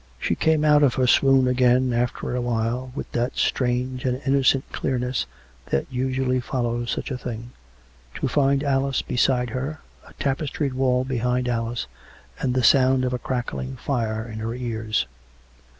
She came out of her swoon again, after a while, with that strange and innocent clearness that usually follows such a thing, to find Alice beside her, a tapestried wall be hind Alice, and the sound of a crackling fire in her ears.